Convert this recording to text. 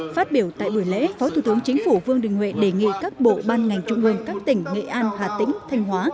phát biểu tại buổi lễ phó thủ tướng chính phủ vương đình huệ đề nghị các bộ ban ngành trung ương các tỉnh nghệ an hà tĩnh thanh hóa